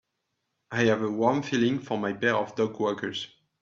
I have a warm feeling for my pair of dogwalkers.